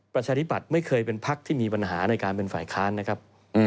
ประชาธิบัติไม่เคยเป็นพักที่มีปัญหาในการเป็นฝ่ายค้านนะครับ